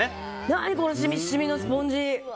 何この染み染みのスポンジ。